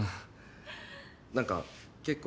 何か結構。